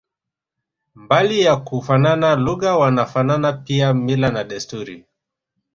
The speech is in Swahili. Mbali ya kufanana lugha wanafanana pia mila na desturi